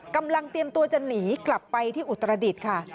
เตรียมตัวจะหนีกลับไปที่อุตรดิษฐ์ค่ะ